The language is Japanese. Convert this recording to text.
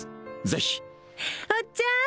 ぜひおっちゃーん